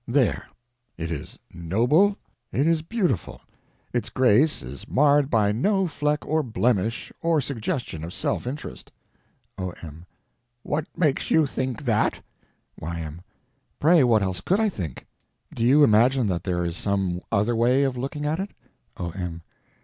There—it is noble, it is beautiful; its grace is marred by no fleck or blemish or suggestion of self interest. O.M. What makes you think that? Y.M. Pray what else could I think? Do you imagine that there is some other way of looking at it? O.M.